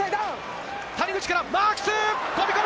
谷口からマークス、飛び込む。